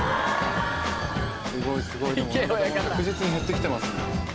すごいすごいでも親方も着実に減ってきてますね。